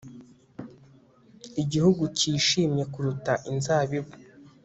Igihugu cyishimye kuruta inzabibu